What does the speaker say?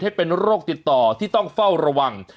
ให้เป็นโรคติดต่อที่ต้องเฝ้าระวัง